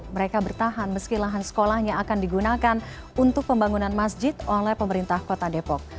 mereka bertahan meski lahan sekolahnya akan digunakan untuk pembangunan masjid oleh pemerintah kota depok